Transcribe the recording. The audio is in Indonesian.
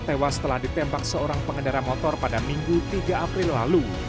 tewas setelah ditembak seorang pengendara motor pada minggu tiga april lalu